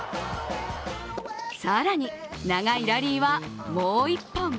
更に、長いラリーはもう１本。